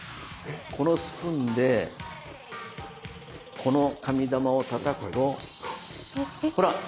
このスプーンでこの紙玉をたたくとほら！